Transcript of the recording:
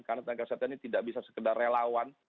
karena tenaga kesehatan ini tidak bisa sekedar relawan